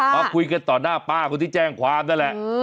มาคุยกันต่อหน้าป้าคนที่แจ้งความนั่นแหละ